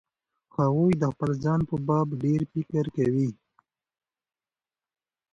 هغوی د خپل ځان په باب ډېر فکر کوي.